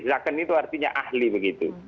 second itu artinya ahli begitu